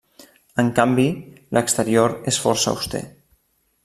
En canvi, l'exterior és força auster.